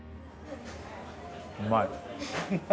うまい。